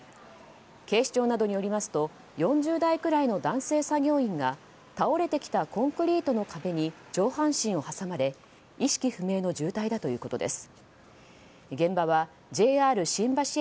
警視庁などによりますと４０代くらいの男性作業員が倒れてきたコンクリートの壁に上半身を挟まれ意識不明の重体だということです。